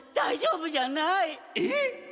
えっ？